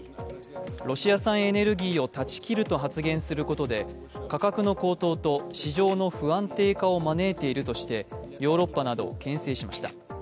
ロシア産エネルギーを断ち切ると発言することで、価格の高騰と市場の不安定化を招いているとしてヨーロッパなどをけん制しました。